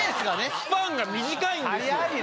スパンが短いんですよ。